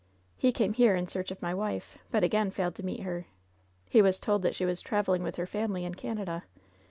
He came here in LOVE'S BITTEREST CUP 111 aearck of my wife, but again failed to meet her. He was told that she was traveling with her family in Canada.